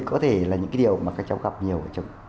có thể là những cái điều mà các cháu gặp nhiều